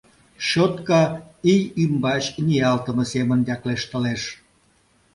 Щётка ий ӱмбач ниялтыме семын яклештылеш.